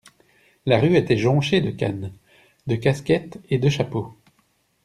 La rue était jonchée de cannes, de casquettes et de chapeaux.